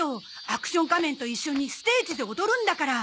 アクション仮面と一緒にステージで踊るんだから。